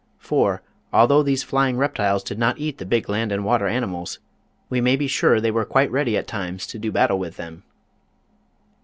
For, although these flying reptiles did not eat the big land and water animals, we may be sure they were quite ready at times to do battle with them.